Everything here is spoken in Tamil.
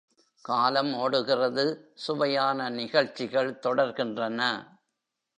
காலம் ஓடுகிறது சுவையான நிகழ்ச்சிகள் தொடர்கின்றன!...